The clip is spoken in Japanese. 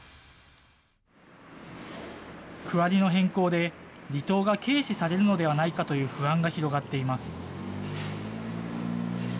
区割りの変更で、離島が軽視されるのではないかという不安が広がっています。